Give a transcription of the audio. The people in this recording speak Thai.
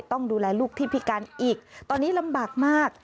ต้องดูแลลูกที่พิการอีกตอนนี้ลำบากมาก